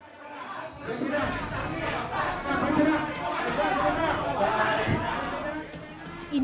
pemimpinan pemimpinan pemimpinan